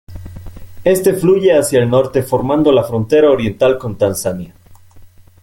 Este fluye hacia el norte formando la frontera oriental con Tanzania.